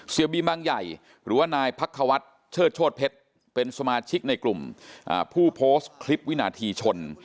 บีบางใหญ่หรือว่านายพักควัฒน์เชิดโชธเพชรเป็นสมาชิกในกลุ่มผู้โพสต์คลิปวินาทีชน